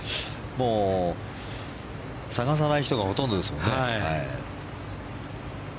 もう探さない人がほとんどですもんね。